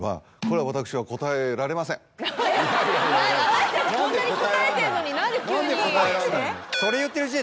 私たちこんなに答えてるのに何で急に。